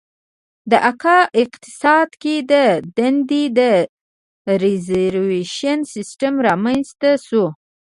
د کا اقتصاد کې د دندې د ریزروېشن سیستم رامنځته شو.